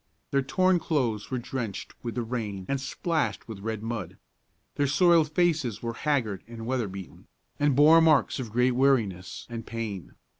Their torn clothes were drenched with the rain and splashed with red mud. Their soiled faces were haggard and weatherbeaten, and bore marks of great weariness and pain.